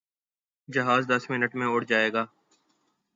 جہاز دس منٹ میں اڑ جائے گا۔